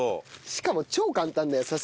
しかも超簡単だよ。